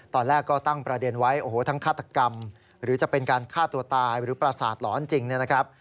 ตอนแรกก็ตั้งประเด็นไว้โอ้โหทั้งฆาตกรรมหรือจะเป็นการฆ่าตัวตายหรือประสาทหลอนจริงเนี่ยนะครับ